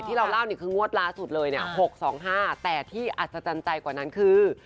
ที่เราเล่านี่คืองวดล่าสุดเลยเนี่ย๖๒๕แต่ที่อัศจรรย์ใจกว่านั้นคือ